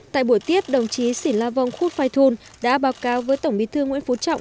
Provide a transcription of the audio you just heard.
tại buổi tiết đồng chí sỉn la vong khuất phai thun đã báo cáo với tổng bí thư nguyễn phú trọng